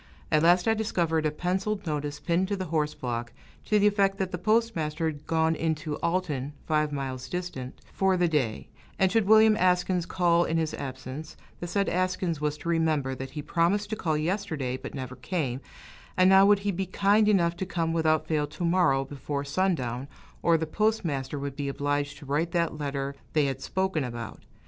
At last I discovered a penciled notice pinned to the horse block, to the effect that the postmaster had gone into Alton (five miles distant) for the day; and should William Askins call in his absence, the said Askins was to remember that he promised to call yesterday, but never came; and now would he be kind enough to come without fail to morrow before sundown, or the postmaster would be obliged to write that letter they had spoken about.